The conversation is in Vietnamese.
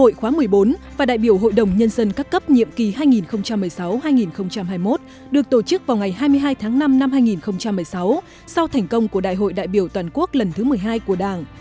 hội khóa một mươi bốn và đại biểu hội đồng nhân dân các cấp nhiệm kỳ hai nghìn một mươi sáu hai nghìn hai mươi một được tổ chức vào ngày hai mươi hai tháng năm năm hai nghìn một mươi sáu sau thành công của đại hội đại biểu toàn quốc lần thứ một mươi hai của đảng